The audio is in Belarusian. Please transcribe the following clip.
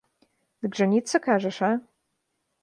Дык жаніцца, кажаш, а?